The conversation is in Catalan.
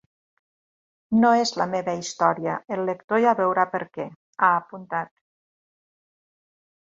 “No és la meva història, el lector ja veurà per què”, ha apuntat.